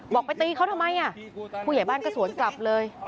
ไปตีเขาทำไมผู้ใหญ่บ้านก็สวนกลับเลย